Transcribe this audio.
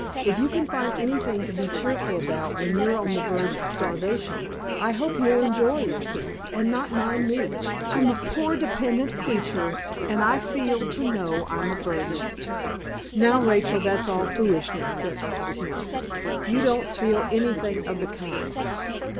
If you can find anything to be cheerful about when you're on the verge of starvation, I hope you'll enjoy yourselves, and not mind me. I'm a poor dependent creetur, and I feel to know I'm a burden." "Now, Rachel, that's all foolishness," said Uncle Tim. "You don't feel anything of the kind."